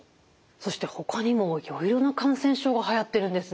そしてほかにもいろいろな感染症がはやってるんですね。